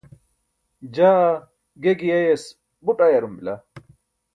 jaa ge giyayas buṭ ayarum bila